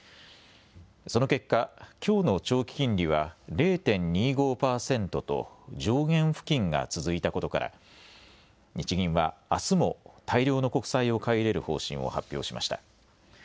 その結果、きょうの長期金利は０．２５％と上限付近が続いたことから日銀はあすも大量の国債を買い入れる方針を発表しました。